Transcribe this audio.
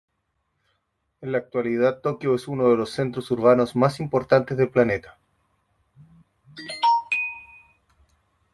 En la actualidad Tokio es uno de los centros urbanos más importantes del planeta.